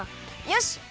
よし！